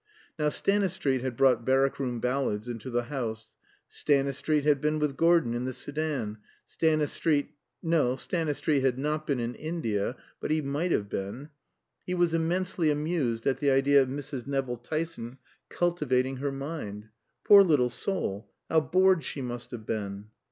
Now Stanistreet had brought "Barrack Room Ballads" into the house; Stanistreet had been with Gordon, in the Soudan; Stanistreet no, Stanistreet had not been in India; but he might have been. He was immensely amused at the idea of Mrs. Nevill Tyson cultivating her mind. Poor little soul, how bored she must have been!